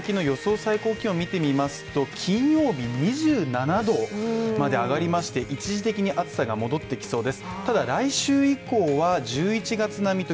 最高気温を見てみますと、金曜日に２７℃まで上がりまして一時的に暑さが戻ってきそうです。